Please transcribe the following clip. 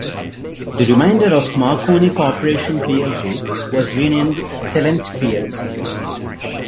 The remainder of Marconi Corporation plc was renamed Telent plc.